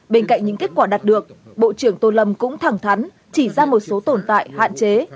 bên cạnh những kết quả đạt được bộ trưởng tô lâm cũng thẳng thắn chỉ ra một số tồn tại hạn chế